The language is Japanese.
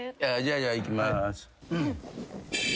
じゃあいきまーす。